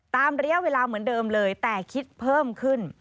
ระยะเวลาเหมือนเดิมเลยแต่คิดเพิ่มขึ้น